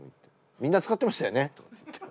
「みんな使ってましたよね」っつって。